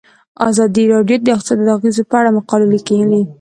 ازادي راډیو د اقتصاد د اغیزو په اړه مقالو لیکلي.